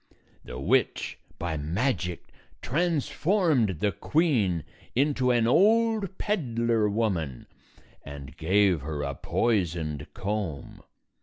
The witch, by magic, transformed the queen into an old peddler woman and gave her a poisoned comb.